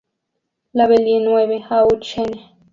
La Villeneuve-au-Chêne